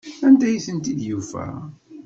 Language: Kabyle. Anda ay tent-id-yufa?